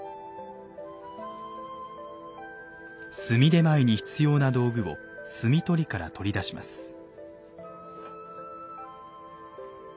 炭点前に必要な道具を炭斗から取り出します。